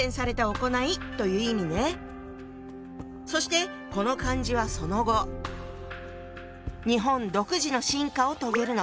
そしてこの漢字はその後日本独自の進化を遂げるの。